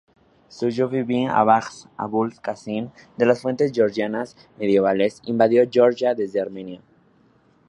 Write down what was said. Yusuf Ibn Abi'l-Saj, el Abul-Kasim de las fuentes georgianas medievales, invadió Georgia desde Armenia.